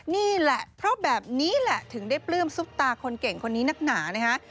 นี่แหละเพราะแบบนี้แหละถึงได้ปลื้มซุปตาคนเก่งคนนี้นักหนานะฮะ